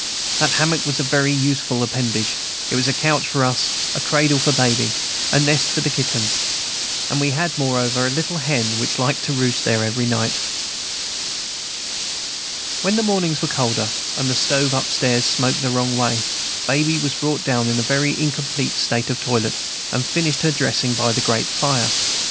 That hammock was a very useful appendage; it was a couch for us, a cradle for Baby, a nest for the kittens; and we had, moreover, a little hen, which tried to roost there every night. When the mornings were colder, and the stove up stairs smoked the wrong way, Baby was brought down in a very incomplete state of toilet, and finished her dressing by the great fire.